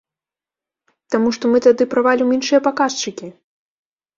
Таму што мы тады правалім іншыя паказчыкі!!!